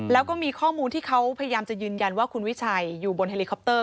แล้วก็มีข้อมูลที่เขาพยายามจะยืนยันว่าคุณวิชัยอยู่บนเฮลิคอปเตอร์